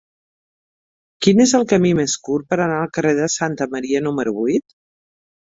Quin és el camí més curt per anar al carrer de Santa Maria número vuit?